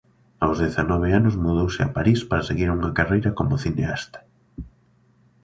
Aos dezanove anos mudouse a París para seguir unha carreira como cineasta.